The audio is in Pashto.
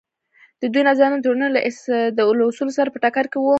د دوی نظرونه د ټولنې له اصولو سره په ټکر کې وو.